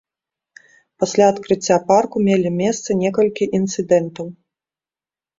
Пасля адкрыцця парку мелі месца некалькі інцыдэнтаў.